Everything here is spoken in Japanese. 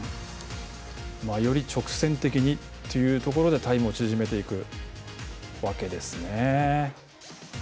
より直線的にというところでタイムを縮めていくわけですね。